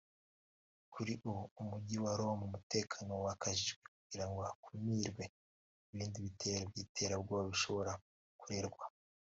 Kuri ubu mu mujyi wa Roma umutekano wakajijwe kugirango hakumirwe ibindi bitero by'iterabwoba bishobora kurerwa